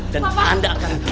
dan anda akan